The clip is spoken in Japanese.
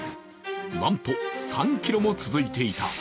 なんと３ｋｍも続いていた。